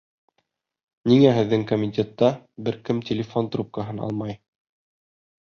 Ниңә һеҙҙең комитетта бер кем телефон трубкаһын алмай.